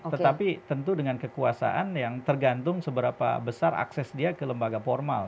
tetapi tentu dengan kekuasaan yang tergantung seberapa besar akses dia ke lembaga formal